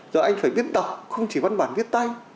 rồi anh phải biết đọc không chỉ văn bản viết tay